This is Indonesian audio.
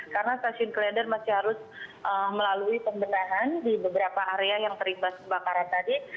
karena stasiun klender masih harus melalui pemberahan di beberapa area yang terlibat kebakaran tadi